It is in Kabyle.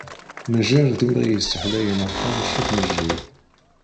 Mejjir d imɣi yesseḥlayen aṭan "Ccuf-mejjir".